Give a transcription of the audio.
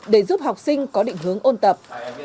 để giúp học sinh có định hướng ôn tập